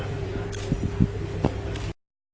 สวัสดีครับ